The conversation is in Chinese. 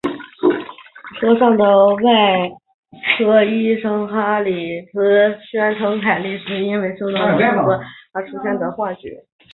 车上的外科医师哈里兹宣称凯莉是因为受到脑震荡而出现了幻觉。